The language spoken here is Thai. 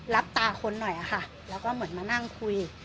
รับตาคนหน่อยค่ะแล้วก็เหมือนมานั่งคุย